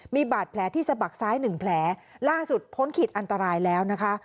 มีบาดแผลที่สะบักซ้ายหนึ่งแผลล่าสุดพ้นขีดอันตรายแล้วนะคะ